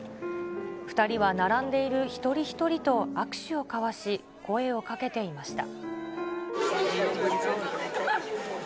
２人は並んでいる一人一人と握手を交わし、声をかけていました。